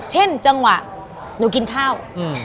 เช่นจังหวะหนูกินข้าว